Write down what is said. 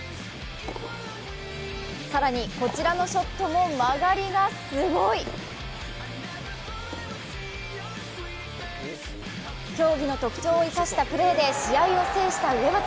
更に、こちらのショットも曲がりがすごい！競技の特徴を生かしたプレーで試合を制した上松。